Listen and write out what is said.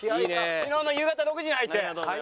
昨日の夕方６時に入ってはい。